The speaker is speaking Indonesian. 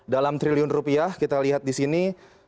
dalam triliun rupiah kita lihat di sini